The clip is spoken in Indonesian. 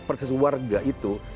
partisipasi warga itu